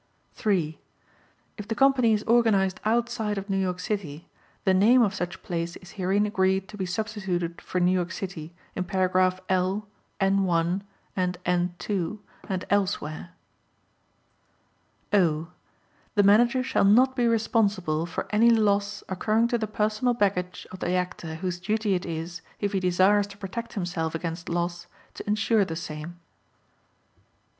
(3) If the company is organized outside of New York City, the name of such place is herein agreed to be substituted for New York City in Paragraph L, N 1 and N 2 and elsewhere. (O) The Manager shall not be responsible for any loss occurring to the personal baggage of the Actor whose duty it is, if he desires to protect himself against loss, to insure the same.